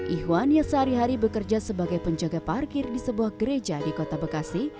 ihwan yang sehari hari bekerja sebagai penjaga parkir di sebuah gereja di kota bekasi